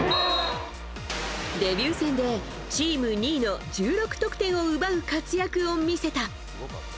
デビュー戦でチーム２位の１６得点を奪う活躍を見せた。